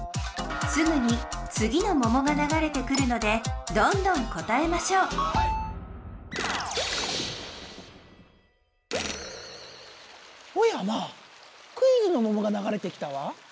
すぐにつぎのももがながれてくるのでどんどん答えましょうおやまあクイズのももがながれてきたわ。